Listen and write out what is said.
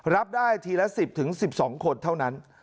รับได้ทีละ๑๐๑๒คนเท่านั้น